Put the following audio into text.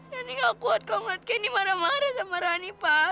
rani enggak kuat kalau melihat kendi marah marah sama rani pak